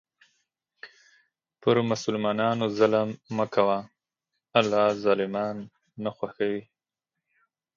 پر مسلمانانو ظلم مه کوه، الله ظالمان نه خوښوي.